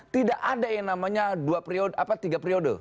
tidak ada yang namanya dua periode apa tiga periode